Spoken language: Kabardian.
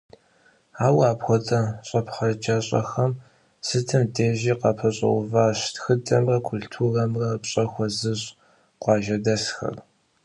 Ауэ апхуэдэ щӀэпхъаджащӀэхэм сытым дежи къапэщӀэуващ тхыдэмрэ культурэмрэ пщӀэ хуэзыщӀ къуажэдэсхэр.